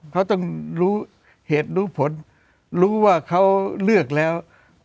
เขาต้องรู้เหตุรู้ผลรู้ว่าเขาเลือกแล้ว